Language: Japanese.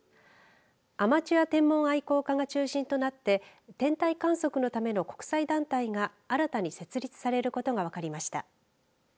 アマチュア天文愛好家が中心となって天体観測のための国際団体が新たに設立されることが分かりました。